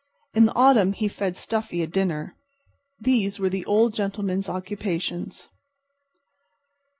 In the autumn he fed Stuffy a dinner. These were the Old Gentleman's occupations.